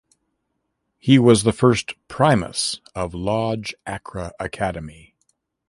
He was the first "Primus" of Lodge Accra Academy.